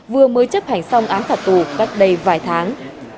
vừa mới chấp hành xong án phạt tù cách đây vài tháng